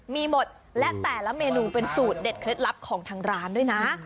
มีหมดและแต่ละเมนูเป็นสูตรเด็ดเคล็ดลับของทางร้านด้วยนะ